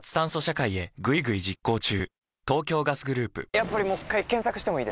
やっぱりもう一回検索してもいいですか？